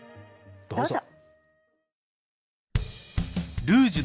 どうぞ。